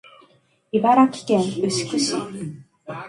茨城県牛久市